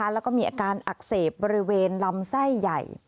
แล้วก็มีอาการอักเสบบริเวณลำไส้ใหญ่